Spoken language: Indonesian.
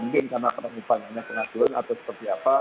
mungkin karena pengubahannya pengajuan atau seperti apa